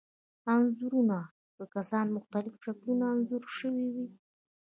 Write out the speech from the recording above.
انځورونو کې کسان په مختلفو شکلونو انځور شوي وو.